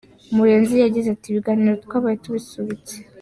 Murenzi yagize ati “Ibiganiro twabaye tubisubitse.